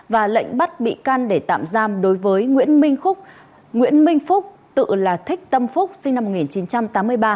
và lệnh bắt bị can để tạm giam đối với nguyễn minh phúc tự là thích tâm phúc sinh năm một nghìn chín trăm tám mươi ba